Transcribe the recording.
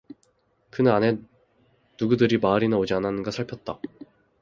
그는 안에 누구들이 마을이나 오지 않았는가를 살폈다.